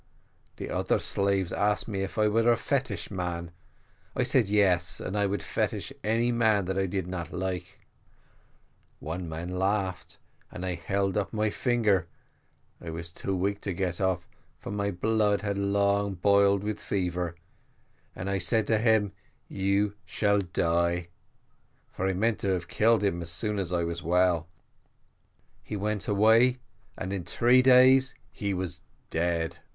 The other slaves asked me if I was a fetish man; I said yes, and I would fetish any man that I did not like: one man laughed, and I held up my finger; I was too weak to get up, for my blood had long boiled with fever, and I said to him, `_you shall die_;' for I meant to have killed him, as soon as I was well. He went away, and in three days he was dead.